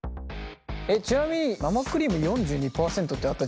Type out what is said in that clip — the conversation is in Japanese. ちなみに生クリーム４２％ってあったじゃないですか。